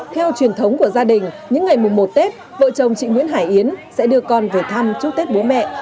theo truyền thống của gia đình những ngày mùng một tết vợ chồng chị nguyễn hải yến sẽ đưa con về thăm chúc tết bố mẹ